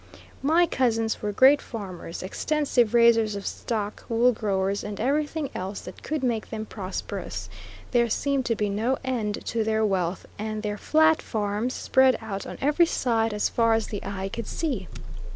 My Cousins were great farmers, extensive raisers of stock, wool growers, and everything else that could make them prosperous. There seemed to be no end to their wealth, and their fiat farms, spread out on every side as far as the eye could see.